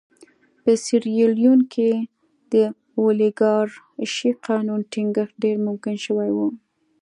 په سیریلیون کې د اولیګارشۍ قانون ټینګښت ډېر ممکن شوی و.